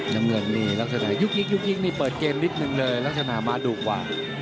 น้ำเงินมีลักษณะยุคนี่เปิดเกณฑ์นิดนึงเลยลักษณะมาดุกว่ะ